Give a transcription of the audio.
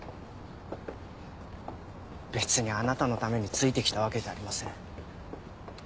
別にあなたのためについてきたわけじゃありません。